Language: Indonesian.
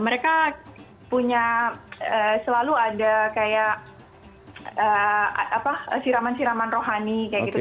mereka punya selalu ada kayak apa siraman siraman rohani kayak gitu